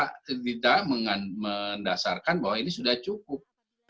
kita tidak mendasarkan bahwa ini sudah cukup